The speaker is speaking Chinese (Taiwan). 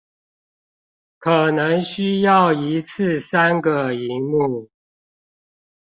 可能需要一次三個螢幕